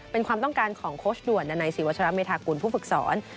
เป็นความต้องการของโค้ชด่วนดันัยศรีวัชราเมธากุลผู้ฝึกสอน